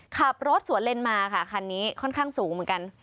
ขับรถสวนเลนมาค่ะคันนี้ค่อนข้างสูงเหมือนกัน